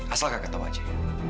asal kakak tahu aja